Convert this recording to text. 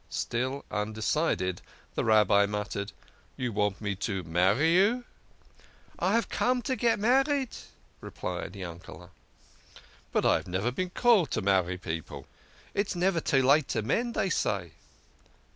Still undecided, the Rabbi muttered, "You want me to marry you ?"" I have come to get married," replied Yankele\ " But I have never been called upon to marry people." " It's never too late to mend, dey say."